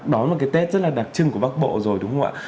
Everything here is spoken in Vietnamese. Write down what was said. đó là một cái tết rất là đặc trưng của bắc bộ rồi đúng không ạ